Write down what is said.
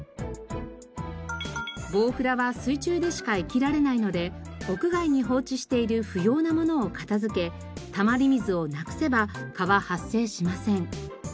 ボウフラは水中でしか生きられないので屋外に放置している不要なものを片付けたまり水をなくせば蚊は発生しません。